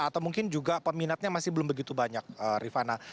atau mungkin juga peminatnya masih belum begitu banyak rifana